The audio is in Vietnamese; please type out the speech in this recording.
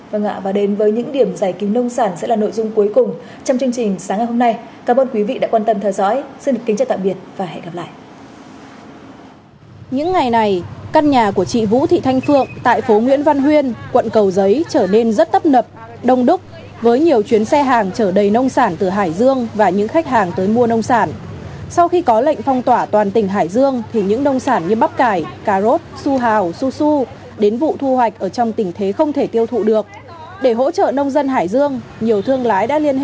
và ngạ vào đến với những điểm giải cứu nông sản sẽ là nội dung cuối cùng trong chương trình sáng ngày hôm nay cảm ơn quý vị đã quan tâm theo dõi xin kính chào tạm biệt và hẹn gặp lại